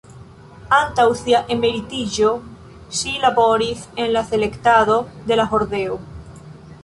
Antaŭ sia emeritiĝo, ŝi laboris en la selektado de la hordeo.